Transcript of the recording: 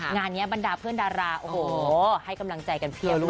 งานนี้บรรดาเพื่อนดาราโอ้โหให้กำลังใจกันเพียบเลย